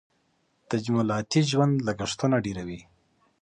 تجملاتي ژوند لګښتونه ډېروي.